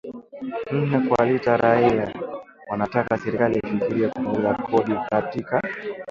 nne kwa lita raia wanataka serikali ifikirie kupunguza kodi katika